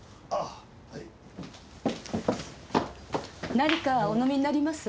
何かお飲みになります？